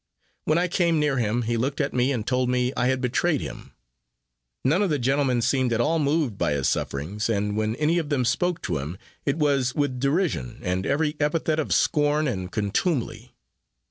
When I came near him, he looked at me and told me I had betrayed him. None of the gentlemen seemed at all moved by his sufferings, and when any of them spoke to him it was with derision, and every epithet of scorn and contumely.